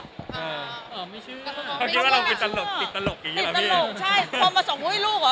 อ๋อไม่เชื่อเขาคิดว่าเราติดตลกติดตลกติดตลกใช่โทรมาส่งอุ้ยลูกเหรอ